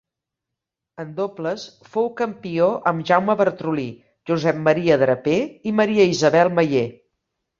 En dobles fou campió amb Jaume Bartrolí, Josep Maria Draper i Maria Isabel Maier.